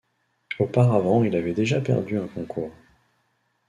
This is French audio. Auparavant il avait déjà perdu un concours.